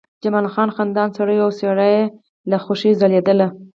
جمال خان خندان سړی و او څېره یې له خوښۍ ځلېدله